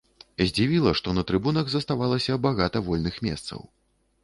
Здзівіла, што на трыбунах заставалася багата вольных месцаў.